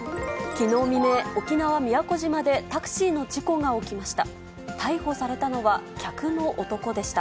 きのう未明、沖縄・宮古島でタクシーの事故が起きました。